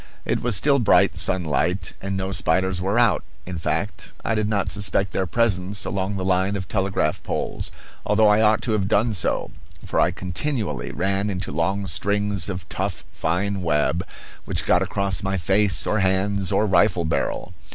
It was still bright sunlight and no spiders were out; in fact, I did not suspect their presence along the line of telegraph poles, although I ought to have done so, for I continually ran into long strings of tough fine web, which got across my face or hands or rifle barrel.